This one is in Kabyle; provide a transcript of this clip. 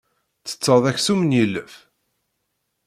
Ttetteḍ aksum n yilef?